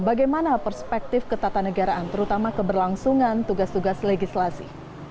bagaimana perspektif ketatanegaraan terutama keberlangsungan tugas tugas legislasi